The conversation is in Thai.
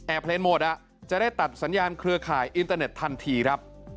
เพลงหมดจะได้ตัดสัญญาณเครือข่ายอินเตอร์เน็ตทันทีครับ